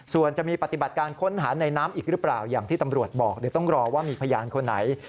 ส่วนจะมีปฏิบัติการค้นหาในน้ำอีกหรือเปล่าอย่างที่ตำรวจบอกเดี๋ยวต้องรอว่ามีพยานคนไหน